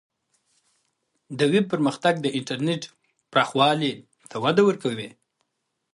د ویب پرمختګ د انټرنیټ پراخوالی ته وده ورکوي.